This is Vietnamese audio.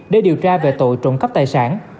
để điều tra về tội trộm cắp tài sản